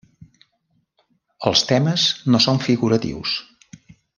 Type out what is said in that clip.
Els temes no són figuratius.